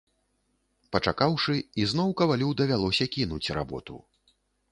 Пачакаўшы, ізноў кавалю давялося кінуць работу.